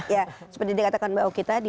ya seperti dikatakan mbak oki tadi